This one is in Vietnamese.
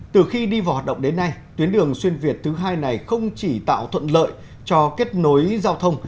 từ khi đi vào hoạt động đến nay tuyến đường xuyên việt thứ hai này không chỉ tạo thuận lợi cho kết nối giao thông